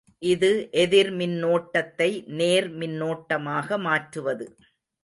இது எதிர்மின்னோட்டத்தை நேர் மின்னோட்டமாக மாற்றுவது.